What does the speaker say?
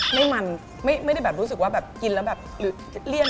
ไม่มันไม่ได้แบบรู้สึกว่าแบบกินแล้วแบบหรือเลี่ยง